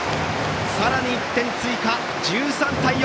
さらに１点追加、１３対４。